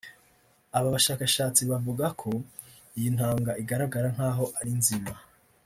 Aba bashakashatsi bavuga ko iyi ntanga igaragara nk’aho ari nzima